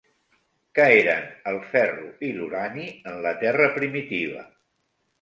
Què eren el ferro i l'urani en la Terra primitiva?